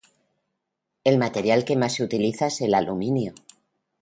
El material que más se utiliza es el aluminio.